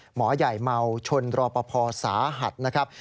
หมอใหญ่เมาชนรอปภสาหัสนะครับ